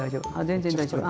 全然大丈夫。